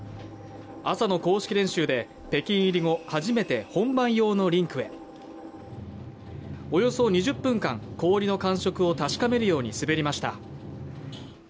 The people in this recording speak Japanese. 朝の公式練習で北京入り後初めて本番用のリンクへおよそ２０分間氷の感触を確かめるように滑りました